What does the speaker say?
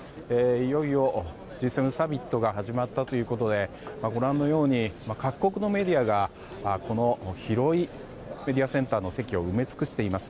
いよいよＧ７サミットが始まったということでご覧のように各国のメディアが広いメディアセンターの席を埋め尽くしています。